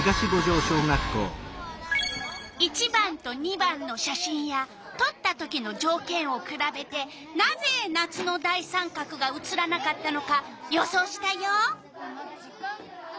１番と２番の写真やとった時のじょうけんをくらべてなぜ夏の大三角が写らなかったのか予想したよ。